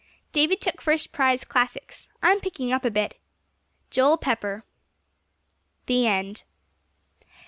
"David took first prize classics. I'm picking up a bit. JOEL PEPPER." THE END.